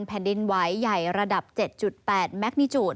แผ่นดินไหวใหญ่ระดับ๗๘แมคนิจูต